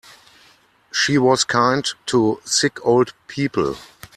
She was kind to sick old people.